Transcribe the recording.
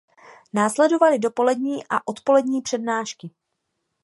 Následovaly dopolední a odpolední přednášky.